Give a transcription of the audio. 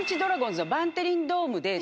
バンテリンドームで。